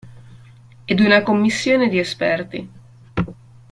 Ed una commissione di esperti.